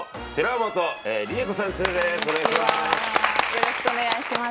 よろしくお願いします。